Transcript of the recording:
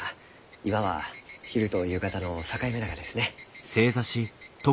今は昼と夕方の境目ながですね。